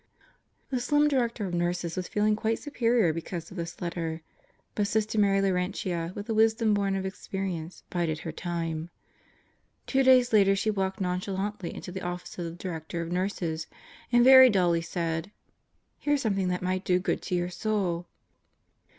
... The slim Director of Nurses was feeling quite superior because of this letter, but Sister Mary Laurentia, with a wisdom born of experience, bided her time. Two days later she walked non chalantly into the office of the Director of Nurses and very dully said: "Here's something that might do good to your soul."